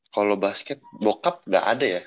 kalo basket bokap gak ada ya